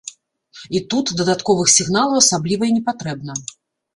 І тут дадатковых сігналаў асабліва і не патрэбна.